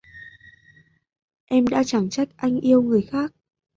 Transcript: Em đã chẳng trách anh yêu người khác